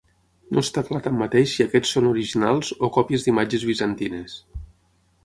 No està clar tanmateix si aquestes són originals o còpies d'imatges bizantines.